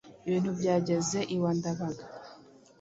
Ibintu byageze iwa Ndabaga” ,